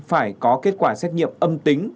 phải có kết quả xét nghiệm âm tính